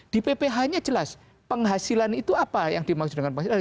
di pph nya jelas penghasilan itu apa yang dimaksud dengan penghasilan